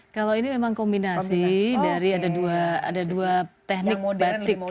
kalau ini memang kombinasi dari ada dua teknik batik